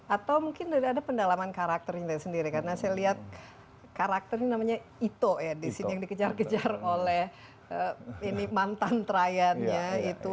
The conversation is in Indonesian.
atau mungkin ada pendalaman karakternya sendiri karena saya lihat karakter ini namanya ito ya di scene yang dikejar kejar oleh ini mantan try annya itu